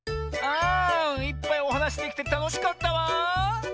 あいっぱいおはなしできてたのしかったわ。